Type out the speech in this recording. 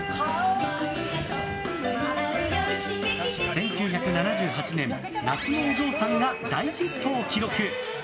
１９７８年、「夏のお嬢さん」が大ヒットを記録！